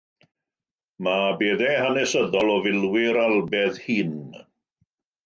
Mae beddau hanesyddol o filwyr albaidd hŷn